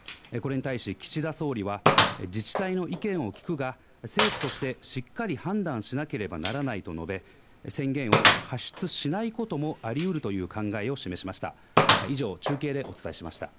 これに対し、岸田総理は、自治体の意見を聞くが、政府としてしっかり判断しなければならないと述べ、宣言を発出しないこともありうるという考えを示しました。